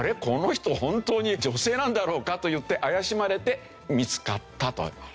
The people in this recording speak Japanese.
この人本当に女性なんだろうか？といって怪しまれて見つかったと。